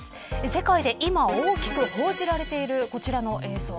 世界で今、大きく報じられているこちらの映像。